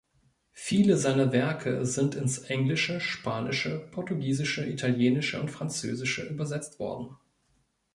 Viele seiner Werke sind in ins Englische, Spanische, Portugiesische, Italienische und Französische übersetzt worden.